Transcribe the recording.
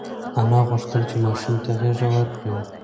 انا غوښتل چې ماشوم ته غېږه ورکړي.